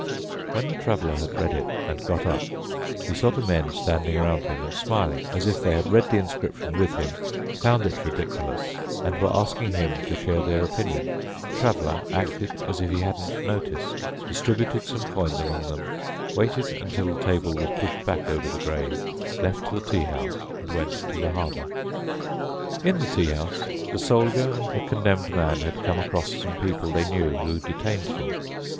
When the Traveler had read it and got up, he saw the men standing around him and smiling, as if they had read the inscription with him, found it ridiculous, and were asking him to share their opinion. The Traveler acted as if he hadn't noticed, distributed some coins among them, waited until the table was pushed back over the grave, left the tea house, and went to the harbour. In the tea house the Soldier and the Condemned Man had come across some people they knew who detained them.